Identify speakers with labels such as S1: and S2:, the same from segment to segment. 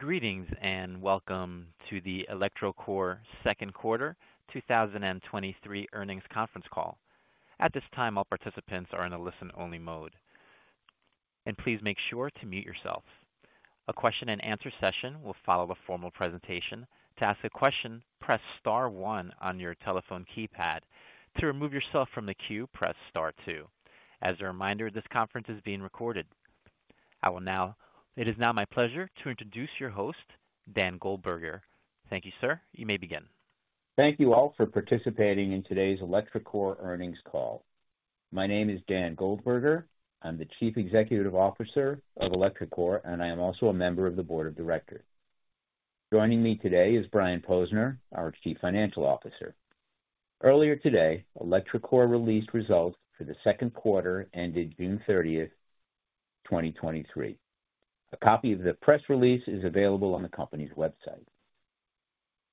S1: Greetings, and welcome to the electroCore second quarter 2023 Earnings Conference Call. At this time, all participants are in a listen-only mode, and please make sure to mute yourself. A question and answer session will follow the formal presentation. To ask a question, press star one on your telephone keypad. To remove yourself from the queue, press star two. As a reminder, this conference is being recorded. It is now my pleasure to introduce your host, Dan Goldberger. Thank you, sir. You may begin.
S2: Thank you all for participating in today's electroCore Earnings Call. My name is Dan Goldberger. I'm the Chief Executive Officer of electroCore, and I am also a member of the Board of Directors. Joining me today is Brian Posner, our Chief Financial Officer. Earlier today, electroCore released results for the second quarter ended June 30th, 2023. A copy of the press release is available on the company's website.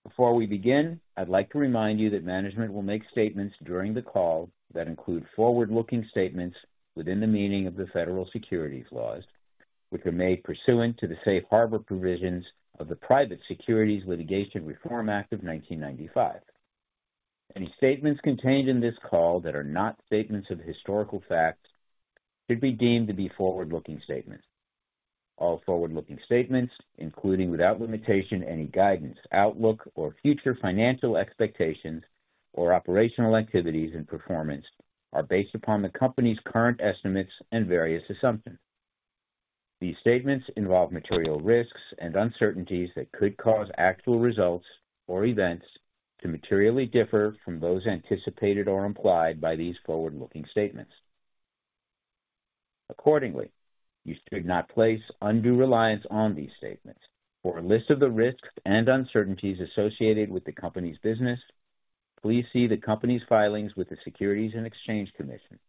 S2: Before we begin, I'd like to remind you that management will make statements during the call that include forward-looking statements within the meaning of the federal securities laws, which are made pursuant to the safe harbor provisions of the Private Securities Litigation Reform Act of 1995. Any statements contained in this call that are not statements of historical fact should be deemed to be forward-looking statements. All forward-looking statements, including, without limitation, any guidance, outlook, or future financial expectations or operational activities and performance, are based upon the company's current estimates and various assumptions. These statements involve material risks and uncertainties that could cause actual results or events to materially differ from those anticipated or implied by these forward-looking statements. Accordingly, you should not place undue reliance on these statements. For a list of the risks and uncertainties associated with the company's business, please see the company's filings with the Securities and Exchange Commission.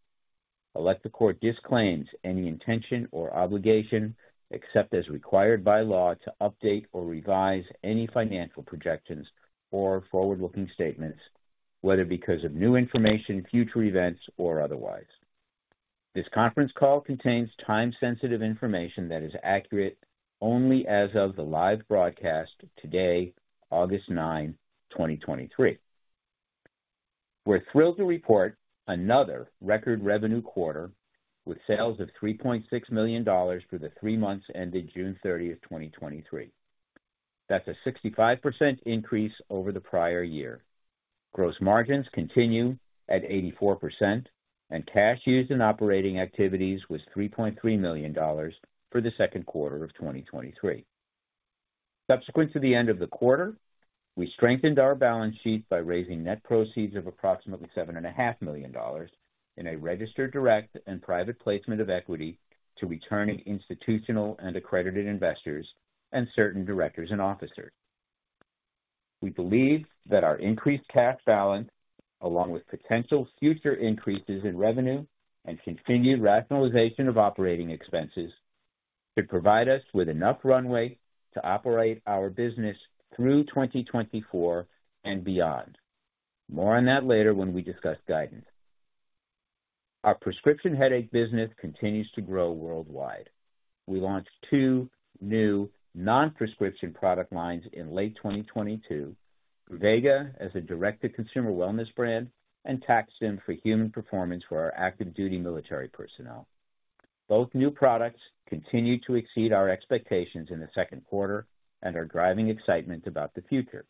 S2: electroCore disclaims any intention or obligation, except as required by law, to update or revise any financial projections or forward-looking statements, whether because of new information, future events, or otherwise. This conference call contains time-sensitive information that is accurate only as of the live broadcast today, August 9, 2023. We're thrilled to report another record revenue quarter with sales of $3.6 million for the three months ended June 30, 2023. That's a 65% increase over the prior year. Gross margins continue at 84%, and cash used in operating activities was $3.3 million for the second quarter of 2023. Subsequent to the end of the quarter, we strengthened our balance sheet by raising net proceeds of approximately $7.5 million in a registered direct and private placement of equity to returning institutional and accredited investors and certain directors and officers. We believe that our increased cash balance, along with potential future increases in revenue and continued rationalization of operating expenses, should provide us with enough runway to operate our business through 2024 and beyond. More on that later when we discuss guidance. Our prescription headache business continues to grow worldwide. We launched two new non-prescription product lines in late 2022: Truvaga as a direct-to-consumer wellness brand and TAC-STIM for human performance for our active duty military personnel. Both new products continue to exceed our expectations in the second quarter and are driving excitement about the future.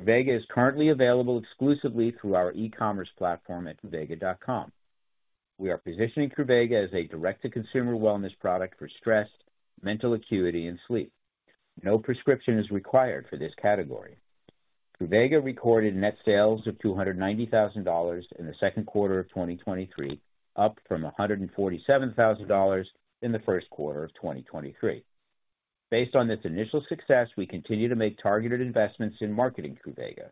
S2: Truvaga is currently available exclusively through our e-commerce platform at truvaga.com. We are positioning Truvaga as a direct-to-consumer wellness product for stress, mental acuity, and sleep. No prescription is required for this category. Truvaga recorded net sales of $290,000 in the second quarter of 2023, up from $147,000 in the first quarter of 2023. Based on this initial success, we continue to make targeted investments in marketing Truvaga.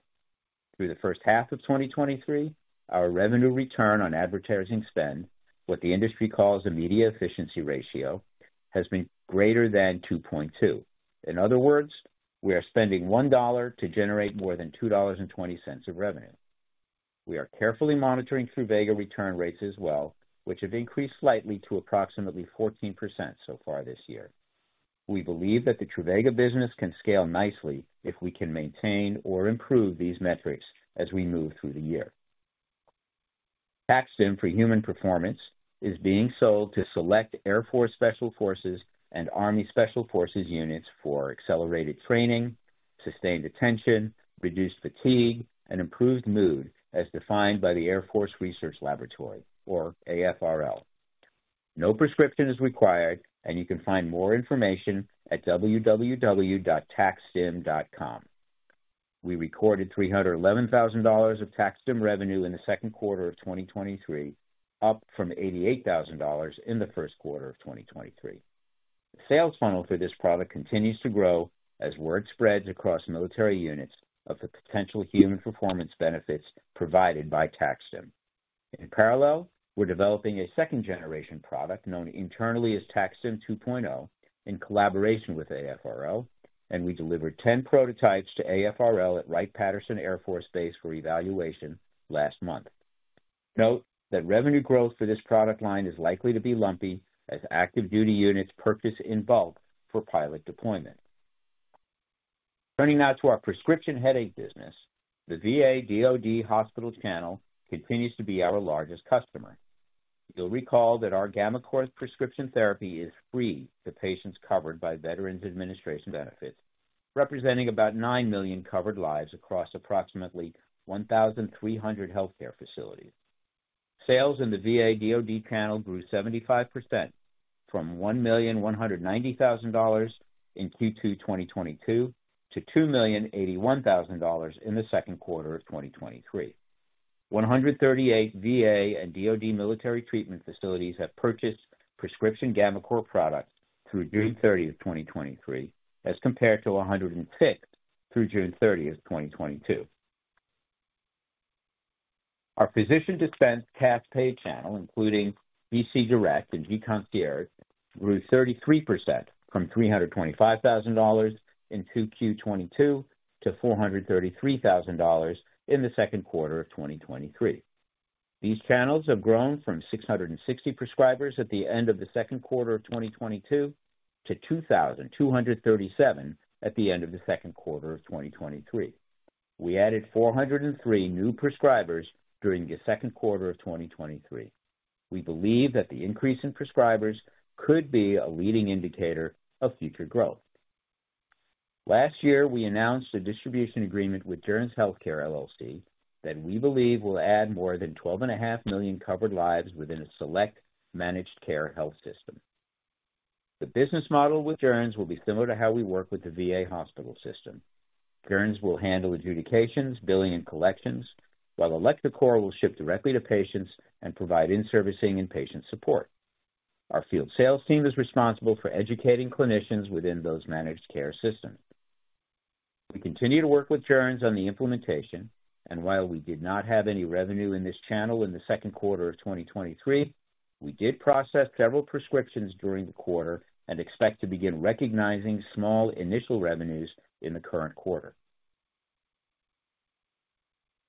S2: Through the first half of 2023, our revenue return on advertising spend, what the industry calls a media efficiency ratio, has been greater than 2.2. In other words, we are spending $1 to generate more than $2.20 of revenue. We are carefully monitoring Truvaga return rates as well, which have increased slightly to approximately 14% so far this year. We believe that the Truvaga business can scale nicely if we can maintain or improve these metrics as we move through the year. TAC-STIM for Human Performance is being sold to select Air Force Special Forces and Army Special Forces units for accelerated training, sustained attention, reduced fatigue, and improved mood, as defined by the Air Force Research Laboratory, or AFRL. No prescription is required, and you can find more information at www.tacstim.com. We recorded $311,000 of TAC-STIM revenue in the second quarter of 2023, up from $88,000 in the first quarter of 2023. The sales funnel for this product continues to grow as word spreads across military units of the potential human performance benefits provided by TAC-STIM. In parallel, we're developing a second-generation product, known internally as TAC-STIM 2.0, in collaboration with AFRL, and we delivered 10 prototypes to AFRL at Wright-Patterson Air Force Base for evaluation last month. Note that revenue growth for this product line is likely to be lumpy as active duty units purchase in bulk for pilot deployment. Turning now to our prescription headache business. The VA/DoD hospital channel continues to be our largest customer. You'll recall that our gammaCore prescription therapy is free to patients covered by Veterans Administration benefits, representing about $9 million covered lives across approximately 1,300 healthcare facilities. Sales in the VA/DoD channel grew 75% from $1,190,000 in Q2 2022 to $2,081,000 in the second quarter of 2023. 138 VA and DoD military treatment facilities have purchased prescription gammaCore products through June thirtieth, 2023, as compared to 106 through June thirtieth, 2022. Our physician dispense cash pay channel, including gC Direct and gConcierge, grew 33% from $325,000 in 2Q '22 to $433,000 in the second quarter of 2023. These channels have grown from 660 prescribers at the end of the second quarter of 2022 to 2,237 at the end of the second quarter of 2023. We added 403 new prescribers during the second quarter of 2023. We believe that the increase in prescribers could be a leading indicator of future growth. Last year, we announced a distribution agreement with Joerns Healthcare, LLC that we believe will add more than 12.5 million covered lives within a select managed care health system. The business model with Joerns will be similar to how we work with the VA hospital system. Joerns will handle adjudications, billing, and collections, while electroCore will ship directly to patients and provide in-servicing and patient support. Our field sales team is responsible for educating clinicians within those managed care systems. We continue to work with Joerns on the implementation, and while we did not have any revenue in this channel in the second quarter of 2023, we did process several prescriptions during the quarter and expect to begin recognizing small initial revenues in the current quarter.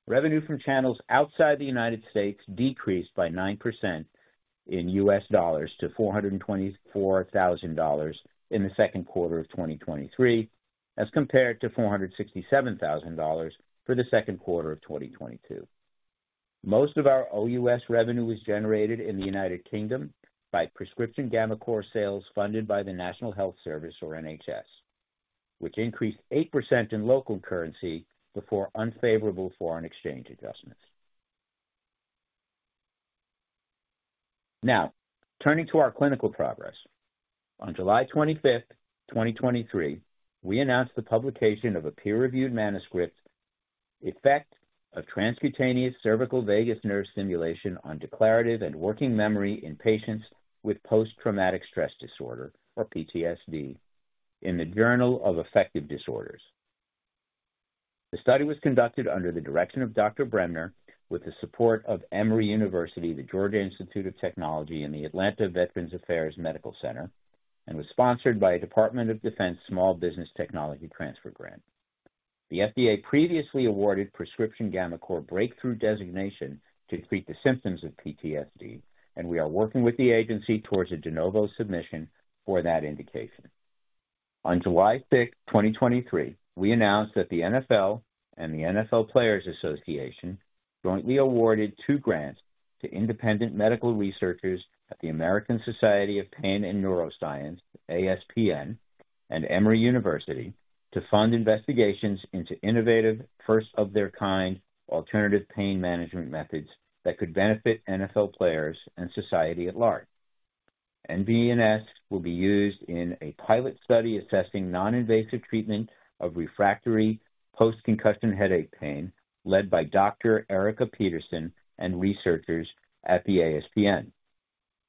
S2: Revenue from channels outside the United States decreased by 9% in US dollars to $424,000 in the second quarter of 2023, as compared to $467,000 for the second quarter of 2022. Most of our OUS revenue was generated in the United Kingdom by prescription gammaCore sales funded by the National Health Service, or NHS, which increased 8% in local currency before unfavorable foreign exchange adjustments. Turning to our clinical progress. On July 25th, 2023, we announced the publication of a peer-reviewed manuscript, Effect of Transcutaneous Cervical Vagus Nerve Stimulation on Declarative and Working Memory in Patients with Post-Traumatic Stress Disorder, or PTSD, in the Journal of Affective Disorders. The study was conducted under the direction of Dr. Bremner, with the support of Emory University, the Georgia Institute of Technology, and the Atlanta Veterans Affairs Medical Center, and was sponsored by a Department of Defense Small Business Technology Transfer grant. The FDA previously awarded prescription gammaCore breakthrough designation to treat the symptoms of PTSD, and we are working with the agency towards a De Novo submission for that indication. On July 6th, 2023, we announced that the NFL and the NFL Players Association jointly awarded two grants to independent medical researchers at the American Society of Pain and Neuroscience, ASPN, and Emory University to fund investigations into innovative, first-of-their-kind alternative pain management methods that could benefit NFL players and society at large. NVNS will be used in a pilot study assessing non-invasive treatment of refractory post-concussion headache pain, led by Dr. Erika Petersen and researchers at the ASPN.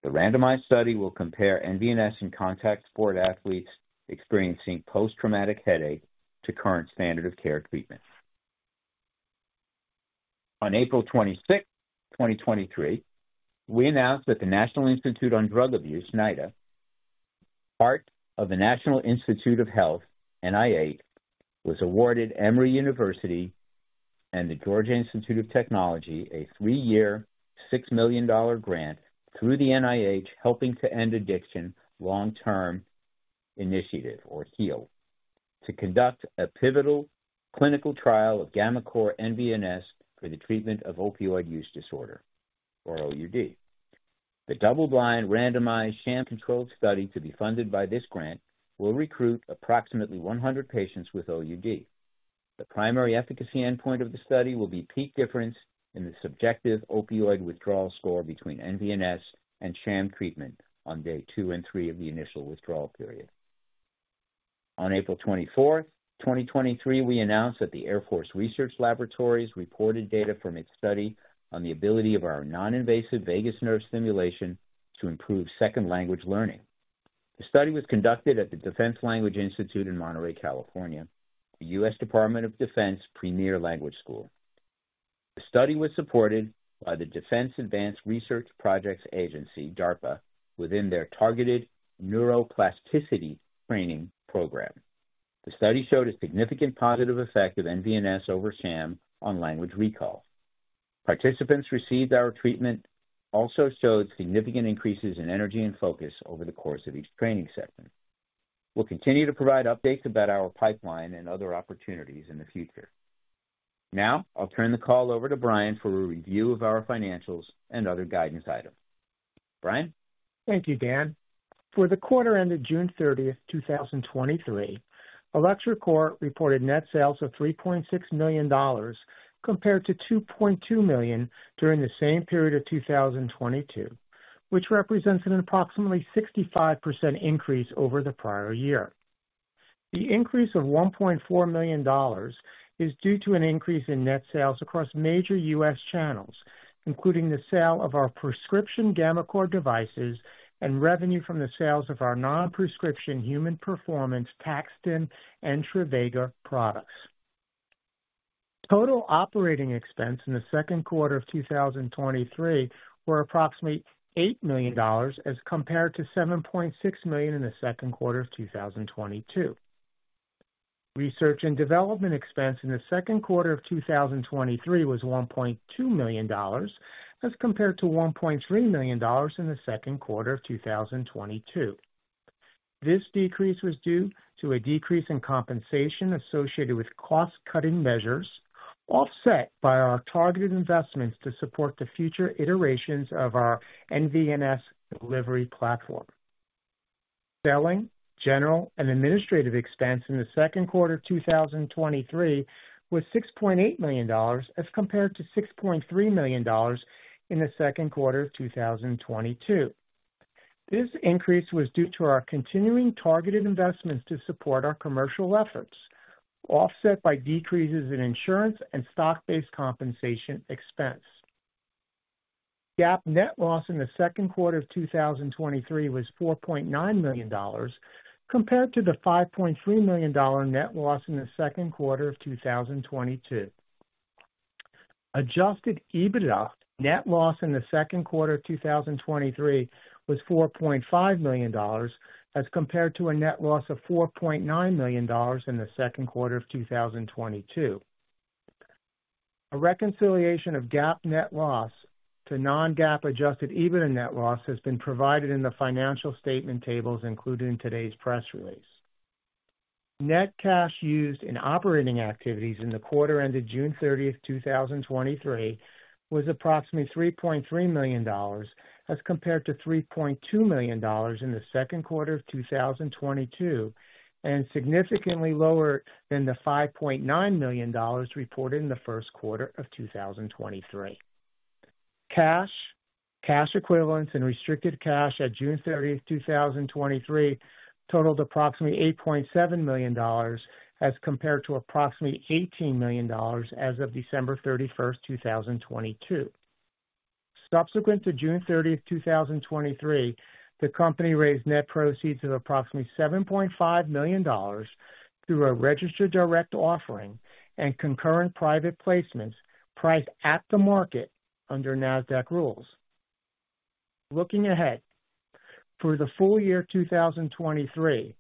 S2: The randomized study will compare NVNS in contact sport athletes experiencing post-traumatic headache to current standard of care treatment. On April 26, 2023, we announced that the National Institute on Drug Abuse, NIDA, part of the National Institutes of Health, NIH, was awarded Emory University and the Georgia Institute of Technology a three-year, $6 million grant through the NIH Helping to End Addiction Long Term initiative, or HEAL, to conduct a pivotal clinical trial of gammaCore NVNS for the treatment of opioid use disorder, or OUD. The double-blind, randomized, sham-controlled study to be funded by this grant will recruit approximately 100 patients with OUD. The primary efficacy endpoint of the study will be peak difference in the subjective opioid withdrawal score between NVNS and sham treatment on day two and three of the initial withdrawal period. On April 24, 2023, we announced that the Air Force Research Laboratory reported data from its study on the ability of our non-invasive vagus nerve stimulation to improve second language learning. The study was conducted at the Defense Language Institute in Monterey, California, the U.S. Department of Defense premier language school. The study was supported by the Defense Advanced Research Projects Agency, DARPA, within their Targeted Neuroplasticity Training program. The study showed a significant positive effect of NVNS over Sham on language recall. Participants received our treatment also showed significant increases in energy and focus over the course of each training session. We'll continue to provide updates about our pipeline and other opportunities in the future. Now, I'll turn the call over to Brian for a review of our financials and other guidance items. Brian?
S3: Thank you, Dan. For the quarter ended June 30, 2023, electroCore reported net sales of $3.6 million, compared to $2.2 million during the same period of 2022, which represents an approximately 65% increase over the prior year. The increase of $1.4 million is due to an increase in net sales across major US channels, including the sale of our prescription gammaCore devices and revenue from the sales of our non-prescription human performance, TAC-STIM and Truvaga products. Total operating expense in the second quarter of 2023 were approximately $8 million, as compared to $7.6 million in the second quarter of 2022. Research and development expense in the second quarter of 2023 was $1.2 million, as compared to $1.3 million in the second quarter of 2022. This decrease was due to a decrease in compensation associated with cost-cutting measures, offset by our targeted investments to support the future iterations of our NVNS delivery platform. Selling, general, and administrative expense in the second quarter of 2023 was $6.8 million, as compared to $6.3 million in the second quarter of 2022. This increase was due to our continuing targeted investments to support our commercial efforts, offset by decreases in insurance and stock-based compensation expense. GAAP net loss in the second quarter of 2023 was $4.9 million, compared to the $5.3 million net loss in the second quarter of 2022. Adjusted EBITDA net loss in the second quarter of 2023 was $4.5 million, as compared to a net loss of $4.9 million in the second quarter of 2022. A reconciliation of GAAP net loss to non-GAAP adjusted EBITDA net loss has been provided in the financial statement tables included in today's press release. Net cash used in operating activities in the quarter ended June 30th, 2023, was approximately $3.3 million, as compared to $3.2 million in the second quarter of 2022, and significantly lower than the $5.9 million reported in the first quarter of 2023. Cash, cash equivalents and restricted cash at June 30th, 2023, totaled approximately $8.7 million, as compared to approximately $18 million as of December 31st, 2022. Subsequent to June 30th, 2023, the company raised net proceeds of approximately $7.5 million through a registered direct offering and concurrent private placements priced at the market under NASDAQ rules. Looking ahead, for the full year 2023,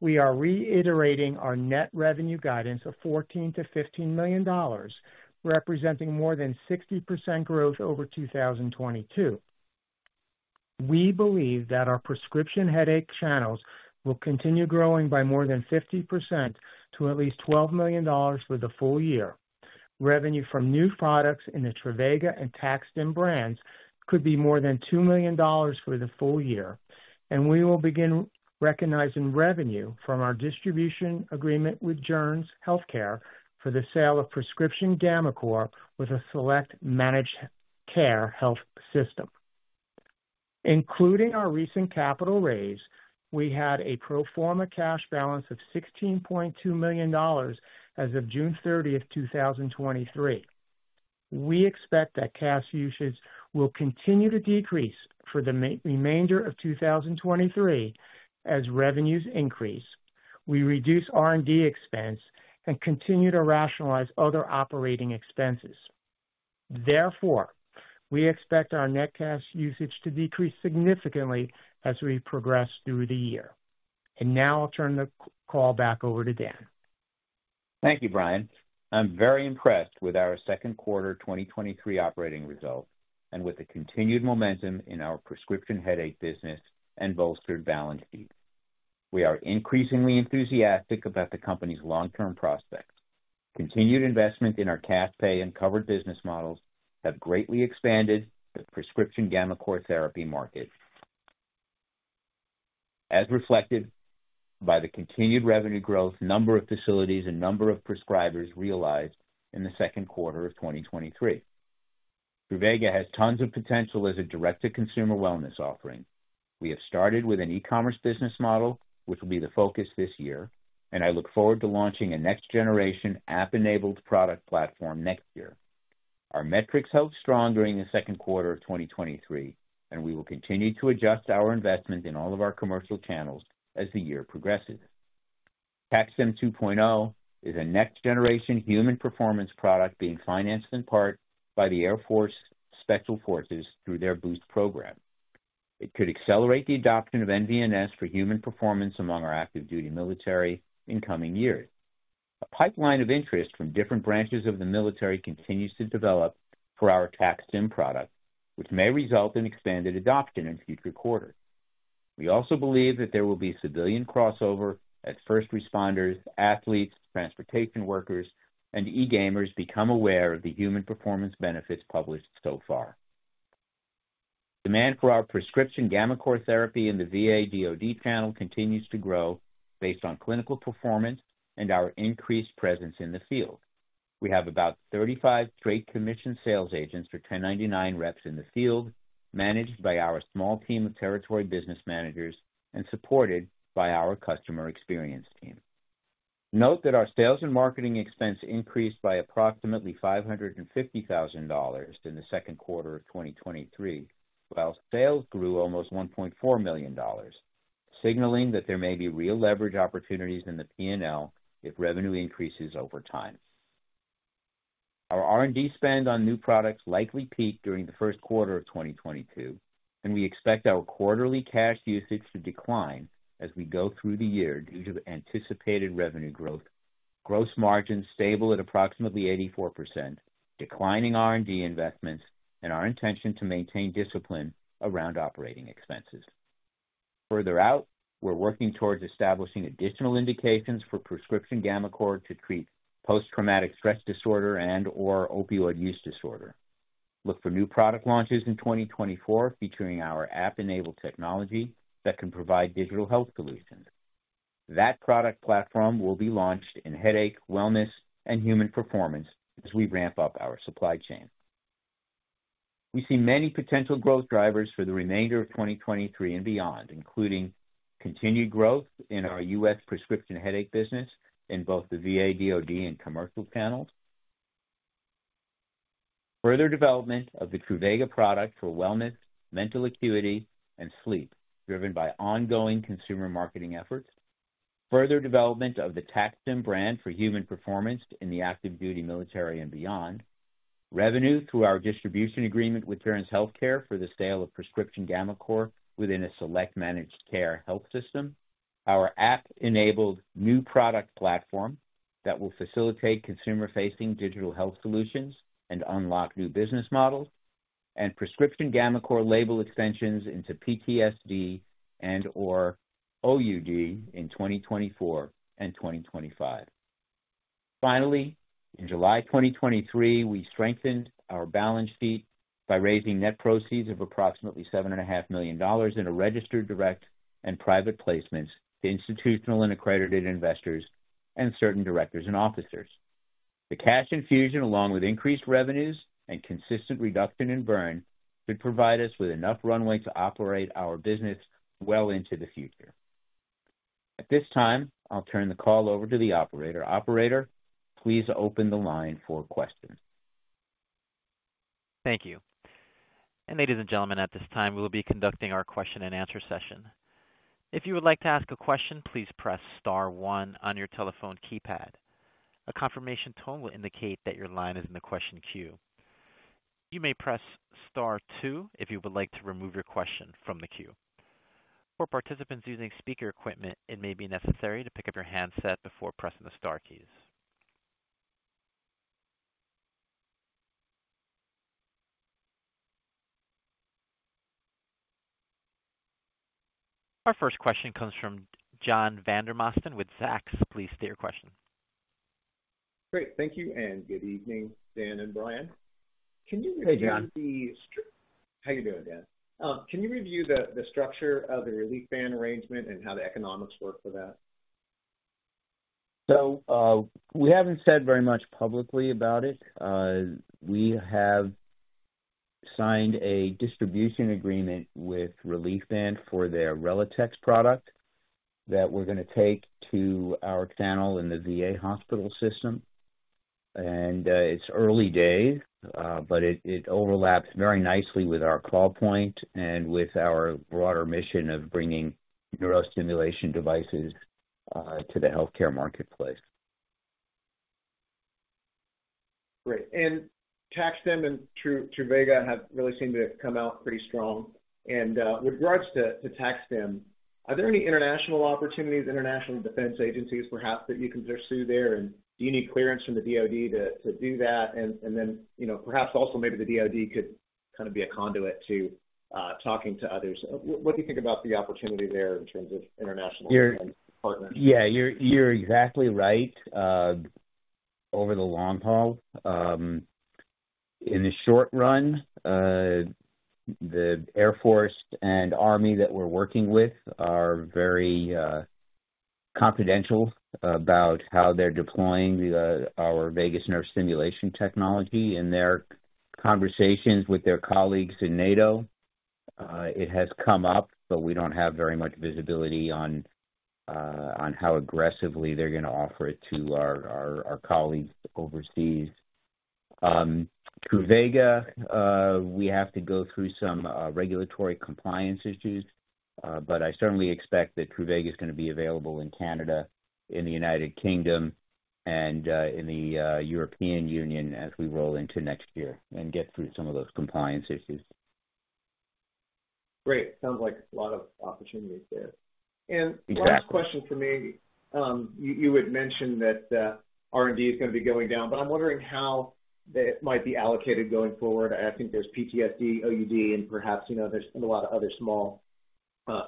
S3: we are reiterating our net revenue guidance of $14 million-$15 million, representing more than 60% growth over 2022. We believe that our prescription headache channels will continue growing by more than 50% to at least $12 million for the full year. Revenue from new products in the Truvaga and TAC-STIM brands could be more than $2 million for the full year, and we will begin recognizing revenue from our distribution agreement with Joerns Healthcare for the sale of prescription gammaCore with a select managed care health system. Including our recent capital raise, we had a pro forma cash balance of $16.2 million as of June 30th, 2023. We expect that cash usage will continue to decrease for the remainder of 2023. As revenues increase, we reduce R&D expense and continue to rationalize other operating expenses. Therefore, we expect our net cash usage to decrease significantly as we progress through the year. Now I'll turn the call back over to Dan.
S2: Thank you, Brian. I'm very impressed with our second quarter 2023 operating results and with the continued momentum in our prescription headache business and bolstered balance sheet. We are increasingly enthusiastic about the company's long-term prospects. Continued investment in our cash pay and covered business models have greatly expanded the prescription gammaCore therapy market. As reflected by the continued revenue growth, number of facilities and number of prescribers realized in the second quarter of 2023. Truvaga has tons of potential as a direct-to-consumer wellness offering. We have started with an e-commerce business model, which will be the focus this year, and I look forward to launching a next generation app-enabled product platform next year. Our metrics held strong during the second quarter of 2023, and we will continue to adjust our investment in all of our commercial channels as the year progresses. TAC-STIM 2.0 is a next-generation human performance product being financed in part by the Air Force Special Forces through their BOOST program. It could accelerate the adoption of NVNS for human performance among our active duty military in coming years. A pipeline of interest from different branches of the military continues to develop for our TAC-STIM product, which may result in expanded adoption in future quarters. We also believe that there will be civilian crossover as first responders, athletes, transportation workers, and e-gamers become aware of the human performance benefits published so far. Demand for our prescription gammaCore therapy in the VA/DoD channel continues to grow based on clinical performance and our increased presence in the field. We have about 35 straight commission sales agents or 1099 reps in the field, managed by our small team of Territory Business Managers and supported by our customer experience team. Note that our sales and marketing expense increased by approximately $550,000 in the second quarter of 2023, while sales grew almost $1.4 million, signaling that there may be real leverage opportunities in the PNL if revenue increases over time. Our R&D spend on new products likely peaked during the first quarter of 2022, and we expect our quarterly cash usage to decline as we go through the year due to the anticipated revenue growth. Gross margin stable at approximately 84%, declining R&D investments, and our intention to maintain discipline around operating expenses. Further out, we're working towards establishing additional indications for prescription gammaCore to treat post-traumatic stress disorder and/or opioid use disorder. Look for new product launches in 2024, featuring our app-enabled technology that can provide digital health solutions. That product platform will be launched in headache, wellness, and human performance as we ramp up our supply chain. We see many potential growth drivers for the remainder of 2023 and beyond, including continued growth in our U.S. prescription headache business in both the VA, DoD, and commercial channels. Further development of the Truvaga product for wellness, mental acuity, and sleep, driven by ongoing consumer marketing efforts. Further development of the TAC-STIM brand for human performance in the active duty military and beyond. Revenue through our distribution agreement with Joerns Healthcare for the sale of prescription gammaCore within a select managed care health system. Our app-enabled new product platform that will facilitate consumer-facing digital health solutions and unlock new business models, and prescription gammaCore label extensions into PTSD and/or OUD in 2024 and 2025. Finally, in July 2023, we strengthened our balance sheet by raising net proceeds of approximately $7.5 million in a registered direct and private placements to institutional and accredited investors and certain directors and officers. The cash infusion, along with increased revenues and consistent reduction in burn, should provide us with enough runway to operate our business well into the future. At this time, I'll turn the call over to the operator. Operator, please open the line for questions.
S1: Thank you. Ladies and gentlemen, at this time, we will be conducting our question-and-answer session. If you would like to ask a question, please press star one on your telephone keypad. A confirmation tone will indicate that your line is in the question queue. You may press star two if you would like to remove your question from the queue. For participants using speaker equipment, it may be necessary to pick up your handset before pressing the star keys. Our first question comes from John Vandermosten with Zacks. Please state your question.
S4: Great. Thank you, good evening, Dan and Brian.
S2: Hey, John.
S4: How you doing, Dan? Can you review the structure of the Reliefband Technologies arrangement and how the economics work for that?
S2: We haven't said very much publicly about it. We have signed a distribution agreement with Reliefband Technologies for their Reletex product that we're gonna take to our channel in the VA hospital system. It's early days, but it, it overlaps very nicely with our call point and with our broader mission of bringing neurostimulation devices, to the healthcare marketplace.
S4: Great. TAC-STIM and Truvaga have really seemed to have come out pretty strong. With regards to, to TAC-STIM, are there any international opportunities, international defense agencies, perhaps, that you can pursue there? Do you need clearance from the DoD to, to do that? Then, you know, perhaps also maybe the DoD could kind of be a conduit to, talking to others. What, what do you think about the opportunity there in terms of international partners?
S2: Yeah, you're, you're exactly right, over the long haul. In the short run, the Air Force and Army that we're working with are very confidential about how they're deploying the, our Vagus Nerve Stimulation technology. In their conversations with their colleagues in NATO, it has come up, but we don't have very much visibility on how aggressively they're gonna offer it to our, our, our colleagues overseas. Truvaga, we have to go through some regulatory compliance issues, but I certainly expect that Truvaga is gonna be available in Canada, in the United Kingdom, and in the European Union as we roll into next year and get through some of those compliance issues.
S4: Great. Sounds like a lot of opportunities there.
S2: Exactly.
S4: Last question for me. You, you had mentioned that R&D is going to be going down, but I'm wondering how that might be allocated going forward. I think there's PTSD, OUD, and perhaps, you know, there's been a lot of other small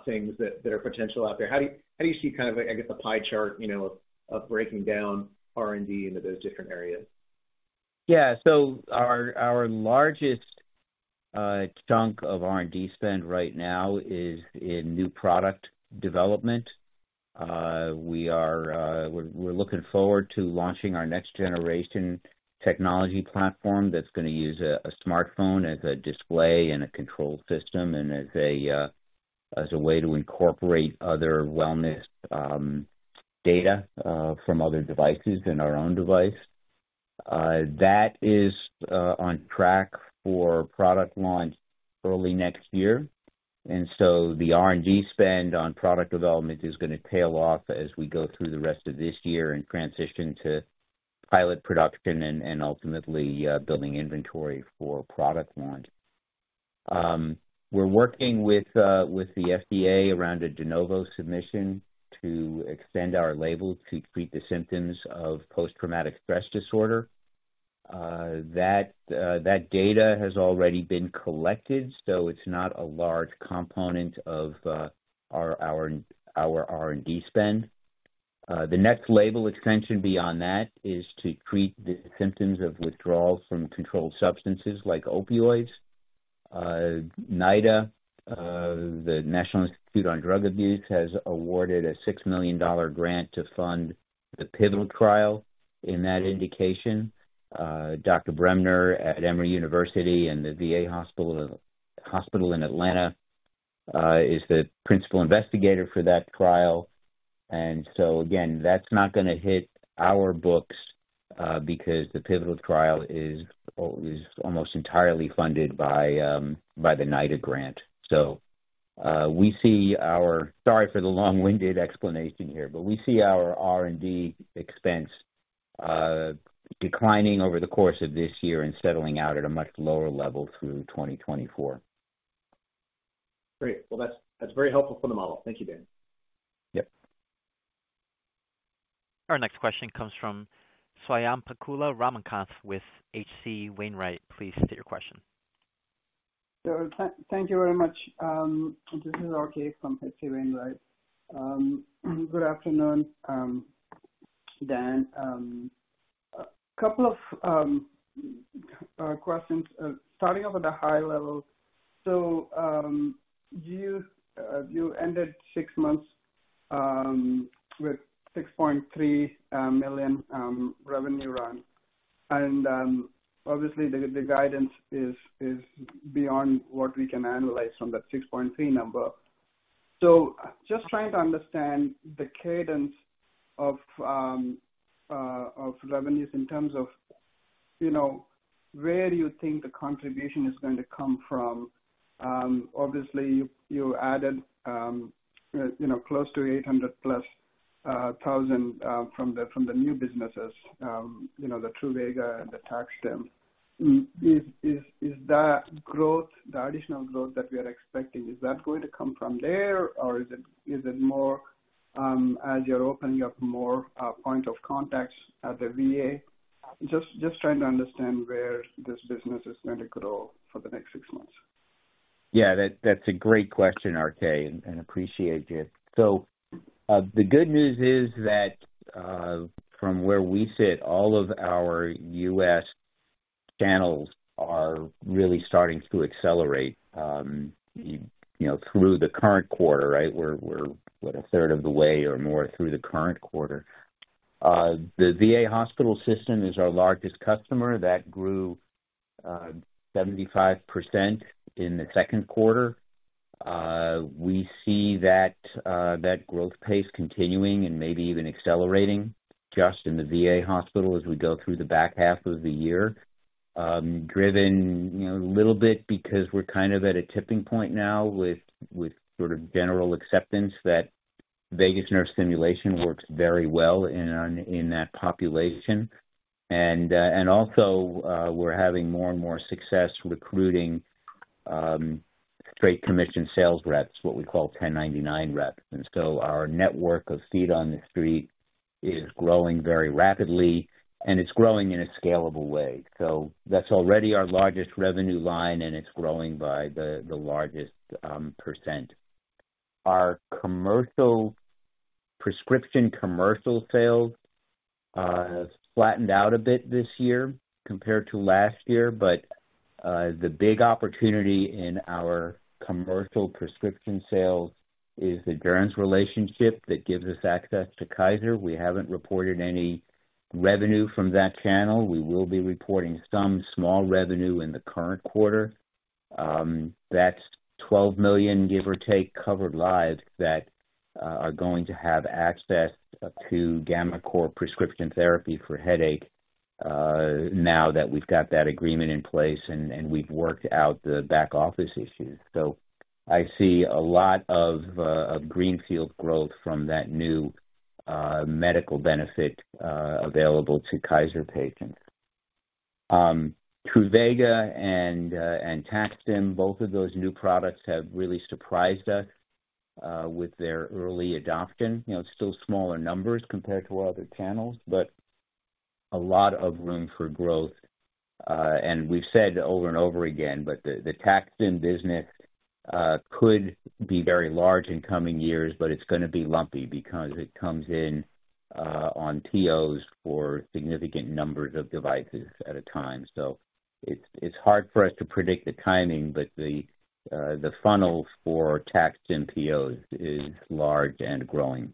S4: things that, that are potential out there. How do you, how do you see kind of, I guess, the pie chart, you know, of breaking down R&D into those different areas?
S2: Yeah. So our, our largest chunk of R&D spend right now is in new product development. We are, we're, we're looking forward to launching our next generation technology platform that's going to use a smartphone as a display and a control system, and as a way to incorporate other wellness data from other devices in our own device. That is on track for product launch early next year. The R&D spend on product development is going to tail off as we go through the rest of this year and transition to pilot production and, ultimately, building inventory for product launch. We're working with the FDA around a de novo submission to extend our label to treat the symptoms of post-traumatic stress disorder. That data has already been collected, so it's not a large component of our R&D spend. The next label expansion beyond that is to treat the symptoms of withdrawal from controlled substances like opioids. NIDA, the National Institute on Drug Abuse, has awarded a $6 million grant to fund the pivotal trial in that indication. Douglas Bremner at Emory University and the VA Hospital in Atlanta is the principal investigator for that trial. That's not gonna hit our books, because the pivotal trial is almost entirely funded by the NIDA grant. We see our. Sorry for the long-winded explanation here, but we see our R&D expense declining over the course of this year and settling out at a much lower level through 2024.
S4: Great. Well, that's, that's very helpful for the model. Thank you, Dan.
S2: Yep.
S1: Our next question comes from Swayampakula Ramakanth with H.C. Wainwright. Please state your question.
S5: Thank, thank you very much. This is RK from H.C. Wainwright. Good afternoon, Dan. A couple of questions. Starting off at a high level. You ended six months with $6.3 million revenue run, and obviously the guidance is beyond what we can analyze from that 6.3 number. Just trying to understand the cadence of revenues in terms of, you know, where you think the contribution is going to come from. Obviously you added, you know, close to 800+ thousand from the new businesses, you know, the Truvaga and the TAC-STIM. Is that growth, the additional growth that we are expecting, is that going to come from there, or is it, is it more, as you're opening up more, points of contacts at the VA? Just trying to understand where this business is going to grow for the next six months.
S2: That's a great question, RK, and appreciate it. The good news is that from where we sit, all of our U.S. channels are really starting to accelerate, you know, through the current quarter, right? We're a third of the way or more through the current quarter. The VA hospital system is our largest customer. That grew 75% in the second quarter. We see that growth pace continuing and maybe even accelerating just in the VA hospital as we go through the back half of the year. Driven, you know, a little bit because we're kind of at a tipping point now with, with sort of general acceptance that vagus nerve stimulation works very well in that population. Also, we're having more and more success recruiting straight commission sales reps, what we call 1099 reps. Our network of feet on the street is growing very rapidly, and it's growing in a scalable way. That's already our largest revenue line, and it's growing by the, the largest %. Our commercial, prescription commercial sales have flattened out a bit this year compared to last year, but the big opportunity in our commercial prescription sales is the endurance relationship that gives us access to Kaiser. We haven't reported any revenue from that channel. We will be reporting some small revenue in the current quarter. That's 12 million, give or take, covered lives that are going to have access to gammaCore prescription therapy for headache. now that we've got that agreement in place and, and we've worked out the back office issues. I see a lot of greenfield growth from that new medical benefit available to Kaiser patients. Truvaga and, and TAC-STIM, both of those new products have really surprised us with their early adoption. You know, it's still smaller numbers compared to our other channels, but a lot of room for growth. we've said over and over again, but the, the TAC-STIM business could be very large in coming years, but it's gonna be lumpy because it comes in on TOs for significant numbers of devices at a time. it's, it's hard for us to predict the timing, but the, the funnel for TAC-STIM TOs is large and growing.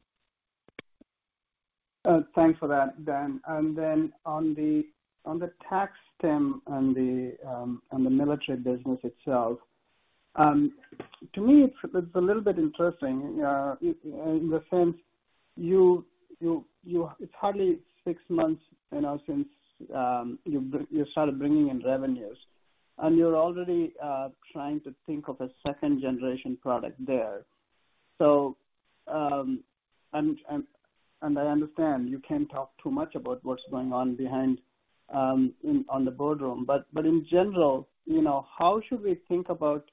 S5: Thanks for that, Dan. Then on the, on the TAC-STIM and the on the military business itself, to me, it's, it's a little bit interesting, in, in the sense you started bringing in revenues, and you're already trying to think of a second-generation product there. I understand you can't talk too much about what's going on behind, in, on the boardroom, but, but in general, you know, how should we think about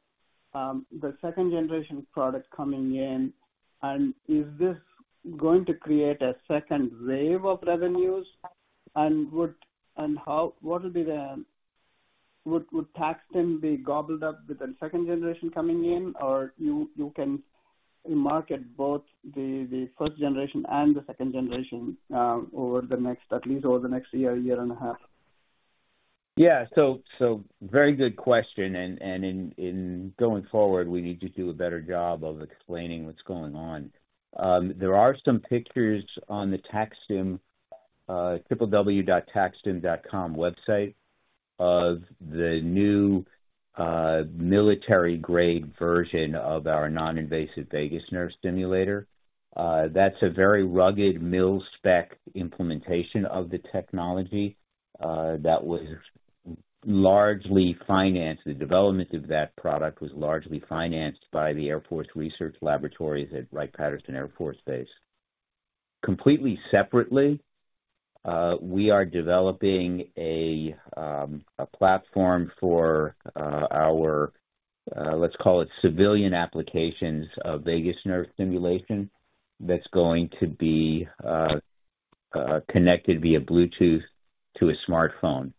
S5: the second-generation product coming in? Is this going to create a second wave of revenues? What will be the? Would TAC-STIM be gobbled up with the second generation coming in? You, you can market both the, the first generation and the second generation, over the next, at least over the next year, 1.5 years?
S2: Yeah. So very good question, and in going forward, we need to do a better job of explaining what's going on. There are some pictures on the TAC-STIM tac-stim.com website of the new military-grade version of our non-invasive vagus nerve stimulator. That's a very rugged mil-spec implementation of the technology. The development of that product was largely financed by the Air Force Research Laboratory at Wright-Patterson Air Force Base. Completely separately, we are developing a platform for our, let's call it civilian applications of vagus nerve stimulation, that's going to be connected via Bluetooth to a smartphone.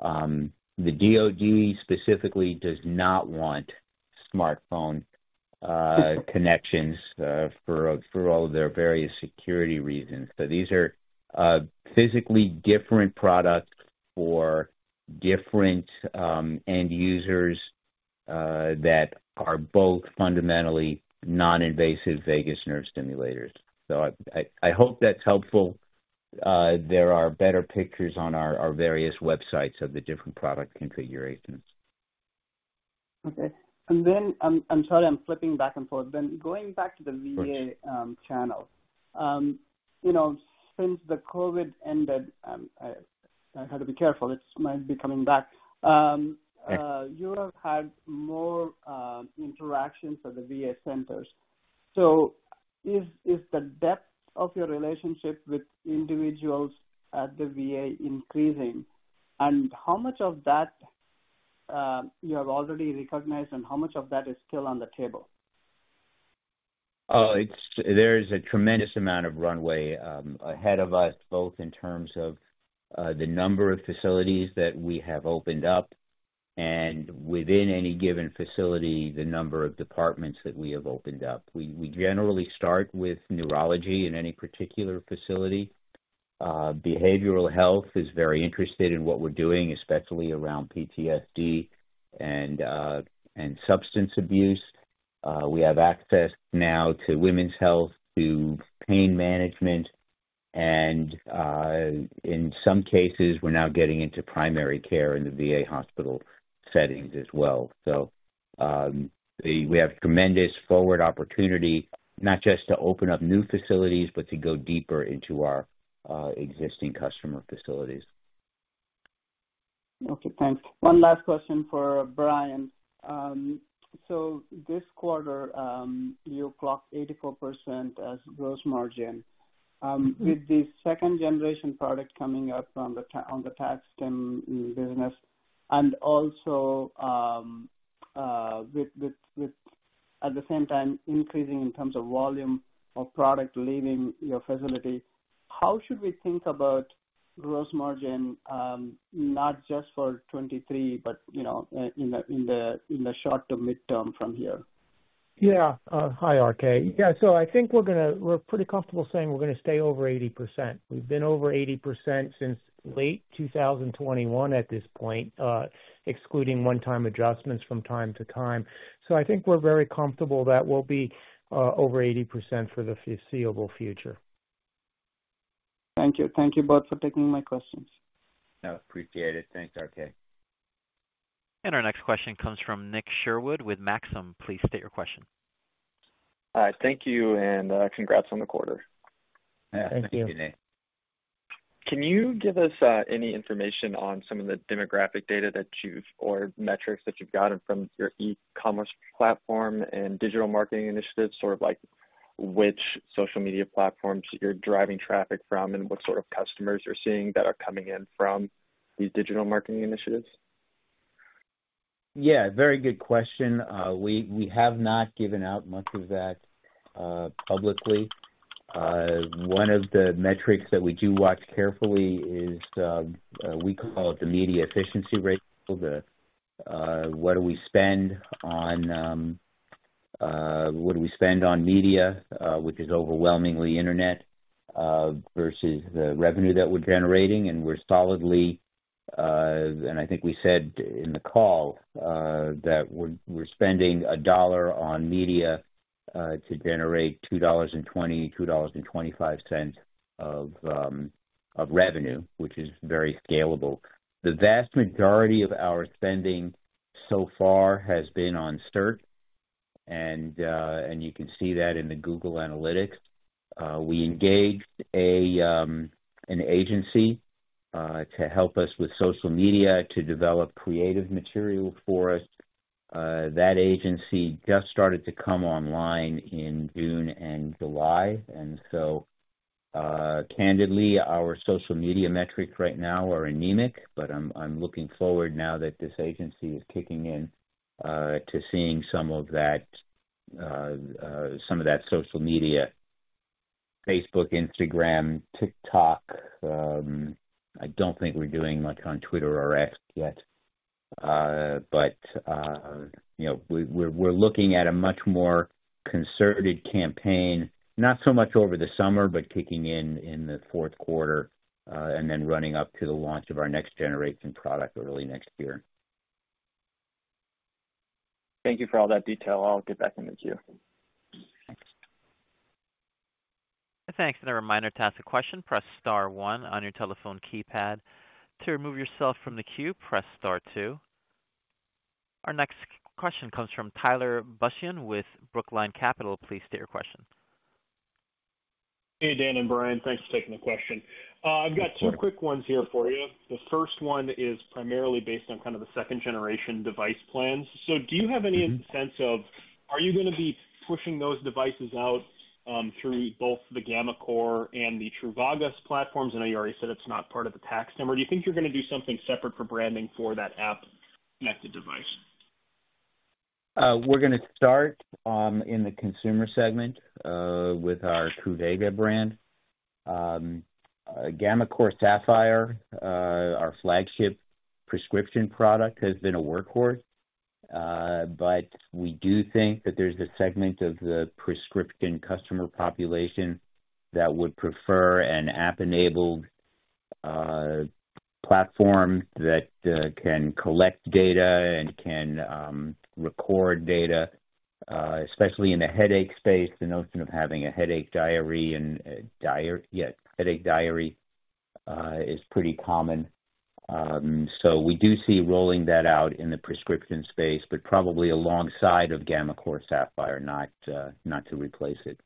S2: The DoD specifically does not want smartphone connections for all of their various security reasons. These are physically different products for different end users that are both fundamentally non-invasive vagus nerve stimulators. I, I, I hope that's helpful. There are better pictures on our, our various websites of the different product configurations.
S5: Okay. Then, I'm sorry, I'm flipping back and forth. Going back to the-
S2: Sure.
S5: VA channel. You know, since the COVID ended, I have to be careful, it might be coming back.
S2: Yeah
S5: You have had more, interactions at the VA centers. Is, is the depth of your relationships with individuals at the VA increasing? How much of that, you have already recognized, and how much of that is still on the table?
S2: There is a tremendous amount of runway ahead of us, both in terms of the number of facilities that we have opened up and within any given facility, the number of departments that we have opened up. We, we generally start with neurology in any particular facility. Behavioral health is very interested in what we're doing, especially around PTSD and substance abuse. We have access now to women's health, to pain management, and in some cases we're now getting into primary care in the VA hospital settings as well. We, we have tremendous forward opportunity, not just to open up new facilities, but to go deeper into our existing customer facilities.
S5: Okay, thanks. One last question for Brian. This quarter, you clocked 84% as gross margin.
S3: Mm-hmm.
S5: With the second-generation product coming up on the TAC-STIM business and also, with at the same time, increasing in terms of volume of product leaving your facility, how should we think about gross margin, not just for 2023, but, you know, in the, in the, in the short to mid-term from here?
S3: Yeah, hi, RK. Yeah, so I think we're pretty comfortable saying we're gonna stay over 80%. We've been over 80% since late 2021 at this point, excluding one-time adjustments from time to time. I think we're very comfortable that we'll be over 80% for the foreseeable future.
S5: Thank you. Thank you both for taking my questions.
S2: I appreciate it. Thanks, RK.
S1: ...our next question comes from Nick Sherwood with Maxim. Please state your question.
S6: Hi, thank you. Congrats on the quarter.
S2: Thank you.
S6: Can you give us any information on some of the demographic data that you've, or metrics that you've gotten from your e-commerce platform and digital marketing initiatives? Sort of like, which social media platforms you're driving traffic from, and what sort of customers you're seeing that are coming in from these digital marketing initiatives?
S2: Yeah, very good question. We, we have not given out much of that publicly. One of the metrics that we do watch carefully is we call it the media efficiency ratio. What do we spend on what do we spend on media, which is overwhelmingly internet, versus the revenue that we're generating. We're solidly, and I think we said in the call, that we're spending $1 on media to generate $2.20-$2.25 of revenue, which is very scalable. The vast majority of our spending so far has been on search, and you can see that in the Google Analytics. We engaged an agency to help us with social media to develop creative material for us. That agency just started to come online in June and July, candidly, our social media metrics right now are anemic. I'm, I'm looking forward now that this agency is kicking in, to seeing some of that, some of that social media, Facebook, Instagram, TikTok. I don't think we're doing much on Twitter or X yet, you know, we're, we're looking at a much more concerted campaign, not so much over the summer, kicking in in the fourth quarter, and then running up to the launch of our next generation product early next year.
S6: Thank you for all that detail. I'll get back in the queue.
S2: Thanks.
S1: Thanks. A reminder, to ask a question, press star one on your telephone keypad. To remove yourself from the queue, press star two. Our next question comes from Tyler Bussian with Brookline Capital. Please state your question.
S7: Hey, Dan and Brian. Thanks for taking the question. I've got two quick ones here for you. The first one is primarily based on kind of the second-generation device plans. Do you have any sense of, are you gonna be pushing those devices out, through both the gammaCore and the Truvaga's platforms? I know you already said it's not part of the TAC-STIM. Do you think you're gonna do something separate for branding for that app-connected device?
S2: We're gonna start in the consumer segment with our Truvaga brand. gammaCore Sapphire, our flagship prescription product, has been a workhorse. We do think that there's a segment of the prescription customer population that would prefer an app-enabled platform that can collect data and can record data, especially in the headache space. The notion of having a headache diary and a diary, yeah, headache diary, is pretty common. We do see rolling that out in the prescription space, but probably alongside of gammaCore Sapphire, not to replace it.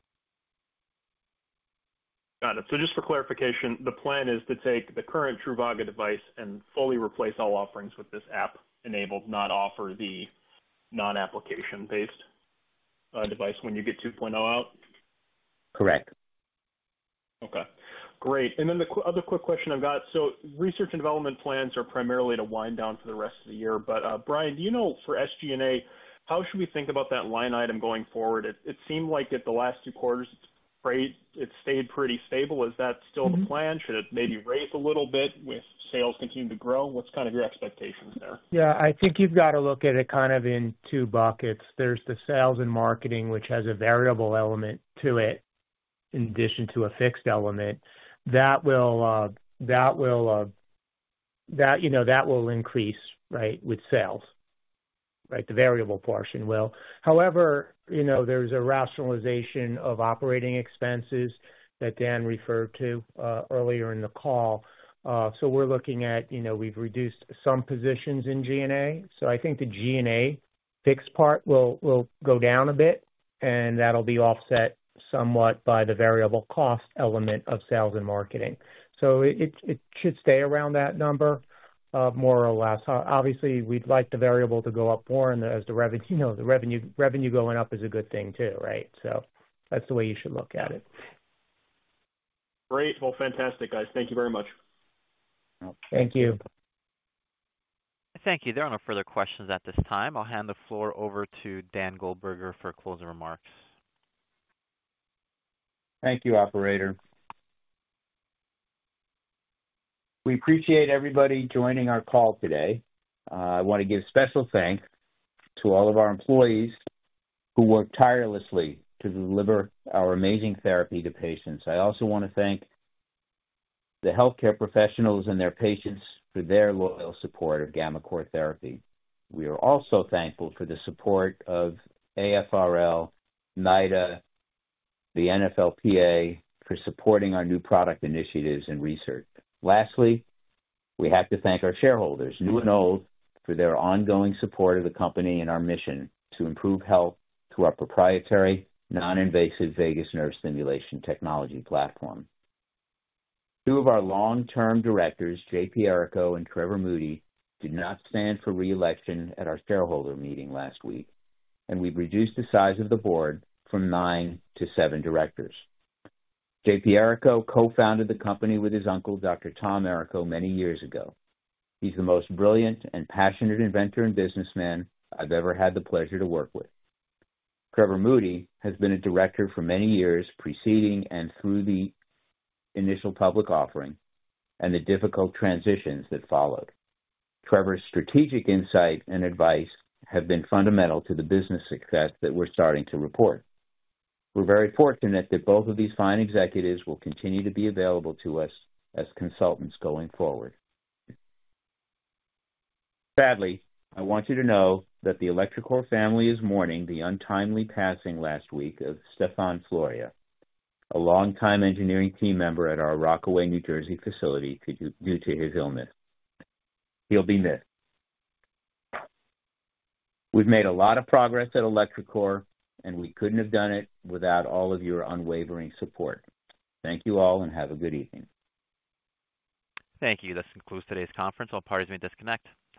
S7: Got it. Just for clarification, the plan is to take the current Truvaga device and fully replace all offerings with this app-enabled, not offer the non-application-based device when you get 2.0 out?
S2: Correct.
S7: Okay, great. The other quick question I've got. Research and development plans are primarily to wind down for the rest of the year. Brian, do you know for SG&A, how should we think about that line item going forward? It seemed like at the last two quarters, it's pretty stable. Is that still the plan? Should it maybe raise a little bit with sales continuing to grow? What's kind of your expectations there?
S3: I think you've got to look at it kind of in two buckets. There's the sales and marketing, which has a variable element to it, in addition to a fixed element. That will, that will, that, you know, that will increase, right, with sales. Right? The variable portion will. However, you know, there's a rationalization of operating expenses that Dan referred to earlier in the call. We're looking at, you know, we've reduced some positions in G&A, so I think the G&A fixed part will go down a bit, and that'll be offset somewhat by the variable cost element of sales and marketing. It should stay around that number, more or less. Obviously, we'd like the variable to go up more and as the revenue, you know, the revenue, revenue going up is a good thing too, right? That's the way you should look at it.
S7: Great. Well, fantastic, guys. Thank you very much.
S2: Thank you.
S1: Thank you. There are no further questions at this time. I'll hand the floor over to Dan Goldberger for closing remarks.
S2: Thank you, operator. We appreciate everybody joining our call today. I want to give special thanks to all of our employees who work tirelessly to deliver our amazing therapy to patients. I also want to thank the healthcare professionals and their patients for their loyal support of gammaCore therapy. We are also thankful for the support of AFRL, NIDA, the NFLPA for supporting our new product initiatives and research. Lastly, we have to thank our shareholders, new and old, for their ongoing support of the company and our mission to improve health through our proprietary non-invasive vagus nerve stimulation technology platform. Two of our long-term directors, J.P. Errico and Trevor Moody, did not stand for re-election at our shareholder meeting last week, and we've reduced the size of the board from nine to seven directors. J.P. Errico co-founded the company with his uncle, Dr. Tom Errico, many years ago. He's the most brilliant and passionate inventor and businessman I've ever had the pleasure to work with. Trevor Moody has been a director for many years, preceding and through the initial public offering and the difficult transitions that followed. Trevor's strategic insight and advice have been fundamental to the business success that we're starting to report. We're very fortunate that both of these fine executives will continue to be available to us as consultants going forward. Sadly, I want you to know that the electroCore family is mourning the untimely passing last week of Stefan Florea, a longtime engineering team member at our Rockaway, New Jersey, facility, due to his illness. He'll be missed. We've made a lot of progress at electroCore, and we couldn't have done it without all of your unwavering support. Thank you all, and have a good evening.
S1: Thank you. This concludes today's conference. All parties may disconnect.